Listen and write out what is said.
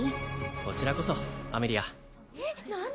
こちらこそアメリア・えっ何で？